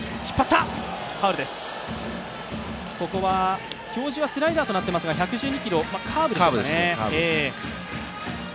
ここは表示はスライダーとなっていますが、１１２キロ、カーブですかね。